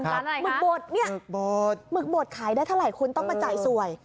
หมึกบดเนี่ยหมึกบดหมึกบดขายได้เท่าไหร่คุณต้องมาจ่ายสวย